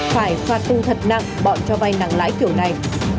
phải phạt tù thật nặng bọn cho vay nặng lãi kiểu này